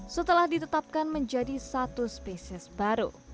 setelah ditetapkan menjadi satu spesies baru